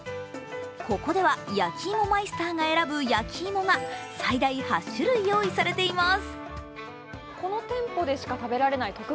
ここでは焼き芋マイスターが選ぶ焼き芋が最大８種類用意されています。